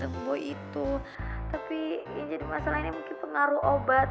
tante yang ganteng boy itu tapi yang jadi masalah ini mungkin pengaruh obat